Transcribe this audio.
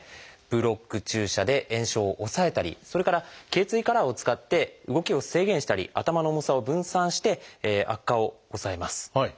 ブロック注射で炎症を抑えたりそれから頚椎カラーを使って動きを制限したり頭の重さを分散して悪化を抑えます。